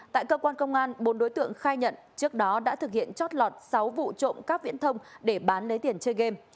tại cơ quan công an bốn đối tượng khai nhận trước đó đã thực hiện chót lọt sáu vụ trộm cắp viễn thông để bán lấy tiền chơi game